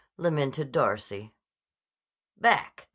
lamented Darcy. "Back.